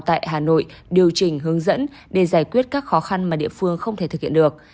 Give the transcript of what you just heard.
tại hà nội điều chỉnh hướng dẫn để giải quyết các khó khăn mà địa phương không thể thực hiện được